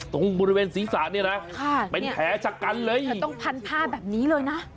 ตรงบริเวณศรีศาสตร์นี่นะเป็นแผลชะกันเลยค่ะนี่ต้องพันภาพแบบนี้เลยนะ